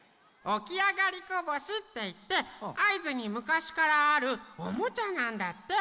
「おきあがりこぼし」っていってあいづにむかしからあるおもちゃなんだって。